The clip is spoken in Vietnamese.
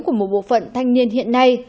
của một bộ phận thanh niên hiện nay